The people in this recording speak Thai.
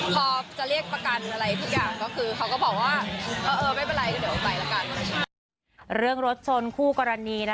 พอจะเรียกประกันอะไรทุกอย่าง